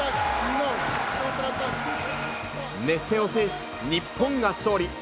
熱戦を制し、日本が勝利。